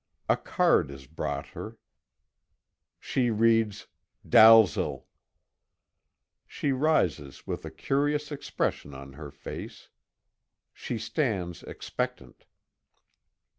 A card is brought her she reads "Dalzel." She rises with a curious expression on her face. She stands expectant.